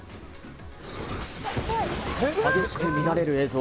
激しく乱れる映像。